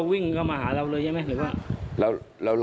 วิ่งขึ้นต้นไม้ด้วยหรอ